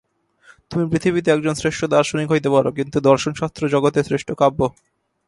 তুমি পৃথিবীতে একজন শ্রেষ্ঠ দার্শনিক হইতে পার, কিন্তু দর্শনশাস্ত্র জগতের শ্রেষ্ঠ কাব্য।